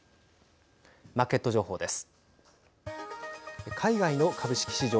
マーケット情報です。